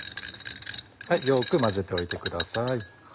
よく混ぜておいてください。